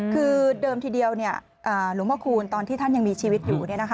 คือเดิมทีเดียวหลวงพระคูณตอนที่ท่านยังมีชีวิตอยู่